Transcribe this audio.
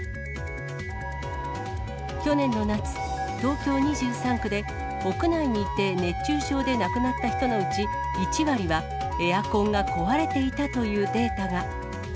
去年の夏、東京２３区で屋内にいて熱中症で亡くなった人のうち１割は、エアコンが壊れていたというデータが。